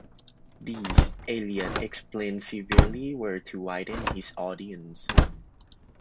These, Elliot explained severely, were to widen his audience.